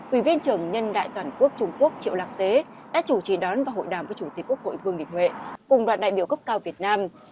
ủy viên trưởng nhân đại toàn quốc trung quốc triệu lạc tế đã chủ trì đón và hội đàm với chủ tịch quốc hội vương đình huệ cùng đoàn đại biểu cấp cao việt nam